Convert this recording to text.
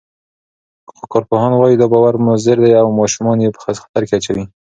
خو کارپوهان وايي، دا باور مضر دی او ماشومان یې په خطر کې اچوي.